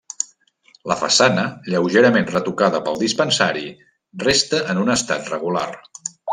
La façana, lleugerament retocada pel dispensari, resta en un estat regular.